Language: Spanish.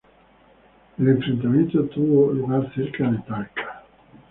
El enfrentamiento tuvo lugar cerca de Talca.